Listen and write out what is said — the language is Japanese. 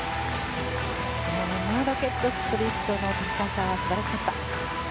ロケットスプリットの高さは素晴らしかった。